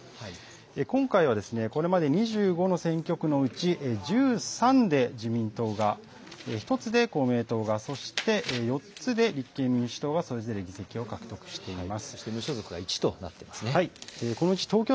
今回はこれまで２５の選挙区のうち１３で自民党が、１つで公明党が、そして４つで立憲民主党がそれぞれ議席を獲得しています。